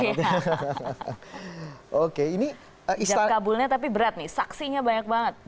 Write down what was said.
ini kabulnya tapi berat nih saksinya banyak banget